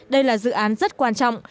đây là dự án rất quan trọng